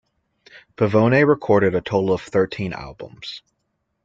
Pavone recorded a total of thirteen albums.